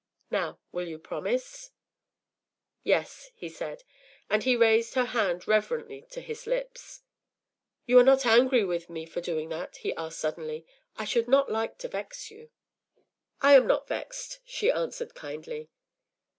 Now will you promise?” “Yes,” he said, and he raised her hand reverently to his lips. “You are not angry with me for doing that?” he asked, suddenly. “I should not like to vex you.” “I am not vexed,” she answered, kindly.